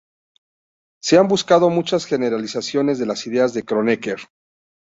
Se han buscado muchas generalizaciones de las ideas de Kronecker.